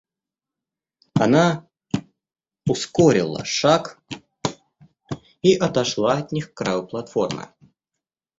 Она ускорила шаг и отошла от них к краю платформы.